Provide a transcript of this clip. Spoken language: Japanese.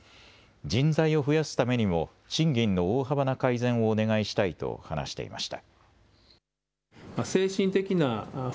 人材を増やすためにも賃金の大幅な改善をお願いしたいと話していました。